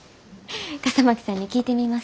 笠巻さんに聞いてみます。